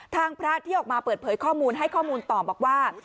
ทางพระที่ออกมาเปิดเผยข้อมูลให้ข้อมูลต่อบอกว่า